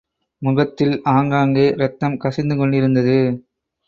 முகத்தில் ஆங்காங்கே இரத்தம் கசிந்து கொண்டிருந்தது.